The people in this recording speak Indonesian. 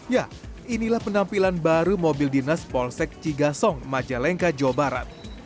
ya inilah penampilan baru mobil dinas polsek cigasong majalengka jawa barat